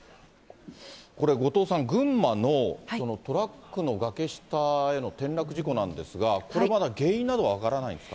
これ後藤さん、群馬のトラックの崖下への転落事故なんですが、これまだ原因などは分からないんですか。